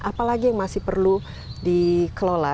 apalagi yang masih perlu dikelola